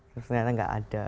ternyata tidak ada